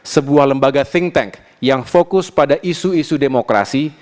sebuah lembaga think tank yang fokus pada isu isu demokrasi